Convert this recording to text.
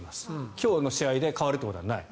今日の試合で変わることはない。